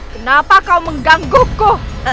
kenapa kau mengganggukku